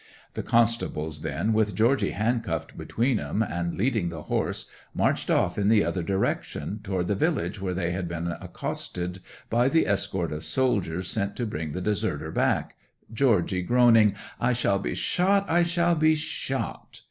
'The constables then, with Georgy handcuffed between 'em, and leading the horse, marched off in the other direction, toward the village where they had been accosted by the escort of soldiers sent to bring the deserter back, Georgy groaning: "I shall be shot, I shall be shot!"